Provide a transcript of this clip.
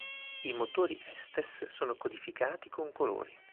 I motori Estes sono codificati con colori.